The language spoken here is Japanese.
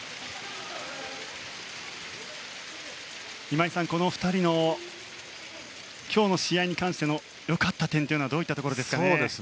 今井さん、この２人の今日の試合に関しての良かった点はどういったところですかね。